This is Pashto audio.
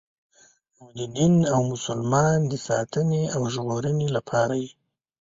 او د دین او مسلمان د ساتنې او ژغورنې لپاره یې.